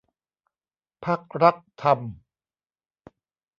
พรรครักษ์ธรรม